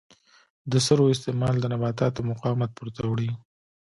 د سرو استعمال د نباتاتو مقاومت پورته وړي.